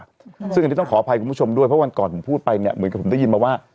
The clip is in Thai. ซึ่งอันนี้ต้องขออภัยคุณผู้ชมด้วยเพราะวันก่อนผมพูดไปเนี่ยเหมือนกับผมได้ยินมาว่า